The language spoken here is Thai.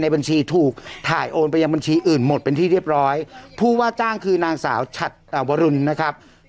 บัญชีถูกถ่ายโอนไปยังบัญชีอื่นหมดเป็นที่เรียบร้อยผู้ว่าจ้างคือนางสาวฉัดวรุณนะครับ